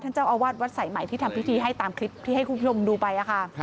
เจ้าอาวาสวัดสายใหม่ที่ทำพิธีให้ตามคลิปที่ให้คุณผู้ชมดูไปค่ะ